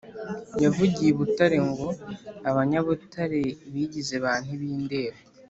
yavugiye i Butare ngo Abanyabutare bigize ba ntibindeba